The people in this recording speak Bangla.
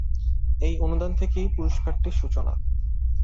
এই অনুদান থেকেই পুরস্কারটির সূচনা।